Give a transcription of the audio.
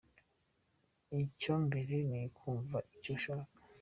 Icya mbere ni ukumva icyo ushaka.